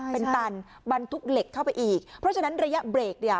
เป็นตันบรรทุกเหล็กเข้าไปอีกเพราะฉะนั้นระยะเบรกเนี่ย